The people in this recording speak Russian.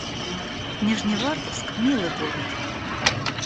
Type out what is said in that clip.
Нижневартовск — милый город